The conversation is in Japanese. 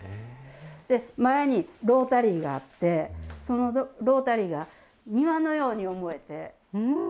前にロータリーがあって、そのロータリーが庭のように思えて。